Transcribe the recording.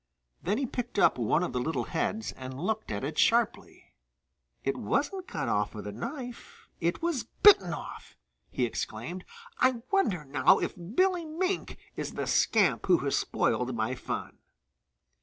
Then he picked up one of the little heads and looked at it sharply. "It wasn't cut off with a knife; it was bitten off!" he exclaimed. "I wonder now if Billy Mink is the scamp who has spoiled my fun."